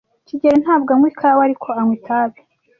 kigeli ntabwo anywa ikawa, ariko anywa itabi.